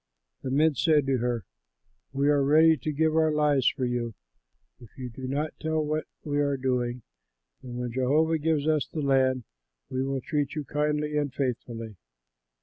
The men said to her, "We are ready to give our lives for you, if you do not tell what we are doing; and when Jehovah gives us the land, we will treat you kindly and faithfully."